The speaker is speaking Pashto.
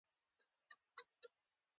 زمونږ مرکه يې ومنله.